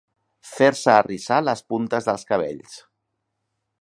Fer-se arrissar les puntes dels cabells.